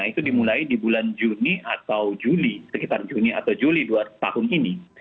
itu dimulai di bulan juni atau juli sekitar juni atau juli tahun ini